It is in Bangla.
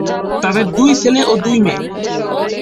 তাদের দুই ছেলে ও দুই মেয়ে।